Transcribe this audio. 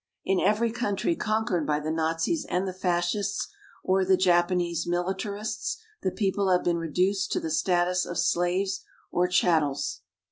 In every country conquered by the Nazis and the Fascists, or the Japanese militarists, the people have been reduced to the status of slaves or chattels.